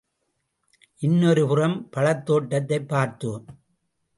இன்னொரு புறம் பழத்தோட்டத்தைப் பார்த்தோம்.